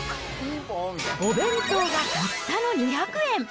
お弁当がたったの２００円！